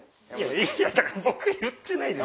いやだから僕言ってないです。